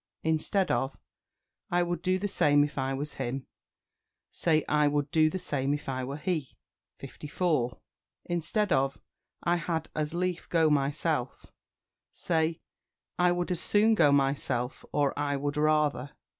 Instead of "I would do the same if I was him," say "I would do the same if I were he." 54. Instead of "I had as lief go myself," say "I would as soon go myself," or "I would rather."